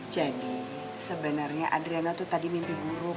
jadi sebenernya adriana tuh tadi mimpi buruk